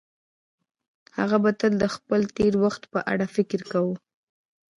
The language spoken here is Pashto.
هغه به تل د خپل تېر وخت په اړه فکر کاوه.